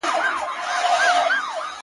واوری دا د زړه په غوږ، پیغام د پېړۍ څه وايي -